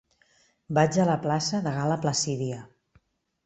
Vaig a la plaça de Gal·la Placídia.